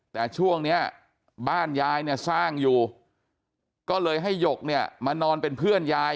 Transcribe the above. แต่ช่วงนี้บ้านยายเนี่ยสร้างอยู่ก็เลยให้หยกเนี่ยมานอนเป็นเพื่อนยาย